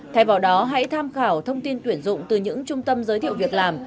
thay vào đó hãy tham khảo thông tin tuyển dụng từ những trung tâm giới thiệu việc làm